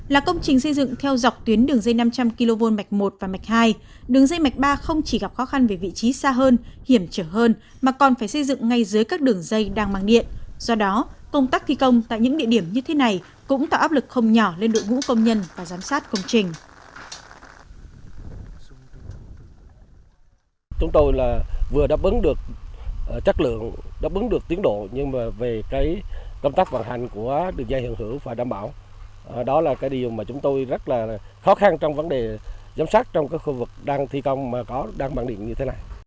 là công trình xây dựng theo dọc tuyến đường dây năm trăm linh kv mạch một và mạch hai đường dây mạch ba không chỉ gặp khó khăn về vị trí xa hơn hiểm trở hơn mà còn phải xây dựng ngay dưới các đường dây đang mang điện do đó công tác thi công tại những địa điểm như thế này cũng tạo áp lực không nhỏ lên đội ngũ công nhân và giám sát công trình